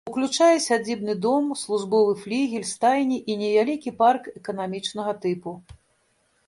Уключае сядзібны дом, службовы флігель, стайні і невялікі парк эканамічнага тыпу.